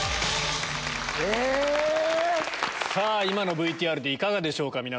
今のＶＴＲでいかがでしょうか？